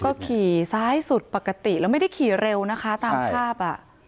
ก็ขี่ซ้ายสุดปกติแล้วไม่ได้ขี่เร็วนะคะตามภาพอ่ะ